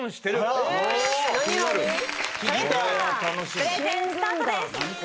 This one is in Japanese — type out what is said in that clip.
それではプレゼンスタートです！